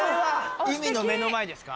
海の目の前ですか。